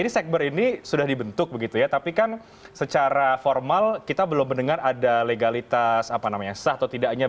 ini sekber ini sudah dibentuk begitu ya tapi kan secara formal kita belum mendengar ada legalitas apa namanya sah atau tidaknya